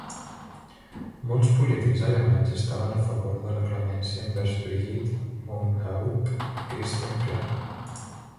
Molts polítics alemanys estaven a favor de la clemència envers Brigitte Mohnhaupt i Christian Klar.